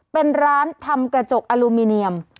เป็นร้านทำกระจกอลูมิเนียม